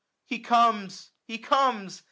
He comes! he comes !